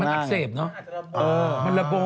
มันอักเสบเนอะ